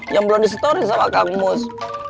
yang belum di setorin sama kang mus